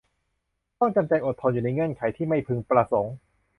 ต้องจำใจอดทนอยู่ในเงื่อนไขที่ไม่พึงประสงค์